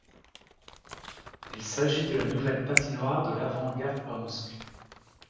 Il s'agit de la nouvelle patinoire de l'Avangard Omsk.